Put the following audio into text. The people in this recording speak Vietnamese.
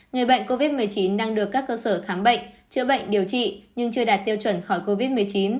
người bệnh covid một mươi chín đang được các cơ sở khám bệnh chữa bệnh điều trị nhưng chưa đạt tiêu chuẩn khỏi covid một mươi chín